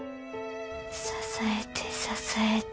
支えて支えて。